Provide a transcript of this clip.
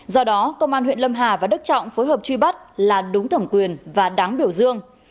do đó công an huyện lâm hà và đức trọng phối hợp truy bắt là đúng thẩm quyền và đáng biểu dương